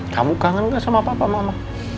kamu kangen gak sama papa mama